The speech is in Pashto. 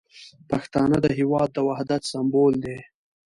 پښتانه د هیواد د وحدت سمبول دي.